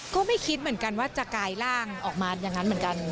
ก็ไม่คิดเหมือนกันว่าจะกายร่างออกมาอย่างนั้นเหมือนกัน